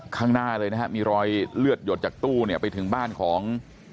ข้างหน้าเลยนะฮะมีรอยเลือดหยดจากตู้เนี่ยไปถึงบ้านของ